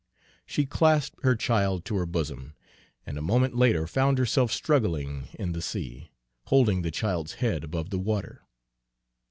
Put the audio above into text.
She clasped her child to her bosom, and a moment later found herself struggling in the sea, holding the child's head above the water.